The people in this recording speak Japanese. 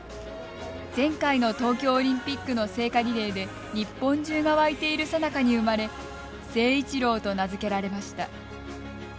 前回の東京オリンピックの聖火リレーで日本中が沸いているさなかに生まれ「聖一郎」と名付けられました。